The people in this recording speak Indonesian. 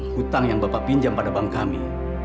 hutang yang bapak pinjam pada bank kami